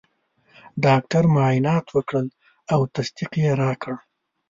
ډاکټر معاینات وکړل او تصدیق یې راکړ.